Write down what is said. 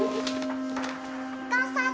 お母さん。